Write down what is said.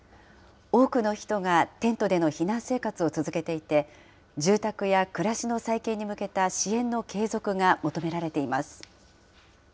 多くの人が、テントでの避難生活を続けていて、住宅や暮らしの再建に向けた支援の継続が求められています。